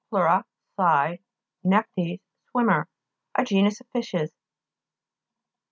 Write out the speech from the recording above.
pleura, side, nektes, swimmer. A genus of fishes.